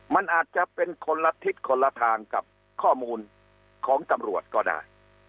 มันอาจจะเป็นคนละทิศคนละทางกับข้อมูลของตำรวจก็ได้